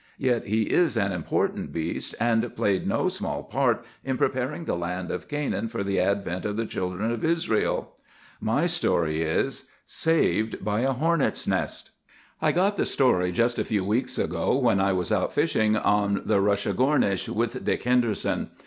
Yet he is an important beast, and played no small part in preparing the land of Canaan for the advent of the children of Israel. My story is— 'SAVED BY A HORNET'S NEST.' "I got the story just a few weeks ago, when I was out fishing on the Rushagornish with Dick Henderson.